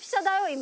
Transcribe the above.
今。